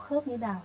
khớp như thế nào